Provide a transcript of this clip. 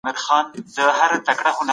څنګه د راتلونکي په اړه اندېښنې راکمې کړو؟